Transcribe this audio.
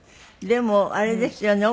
でもあれですよね。